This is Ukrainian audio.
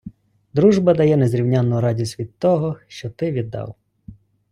Дружба дає незрівнянну радість від того, що ти віддав.